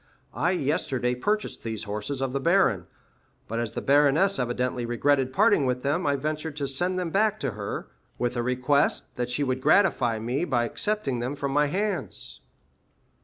I yesterday purchased these horses of the baron; but as the baroness evidently regretted parting with them, I ventured to send them back to her, with a request that she would gratify me by accepting them from my hands."